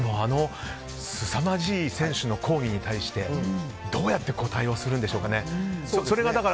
すさまじい選手の抗議に対してどうやって対応するんでしょうか。